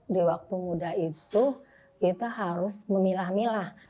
di waktu muda itu kita harus memilah milah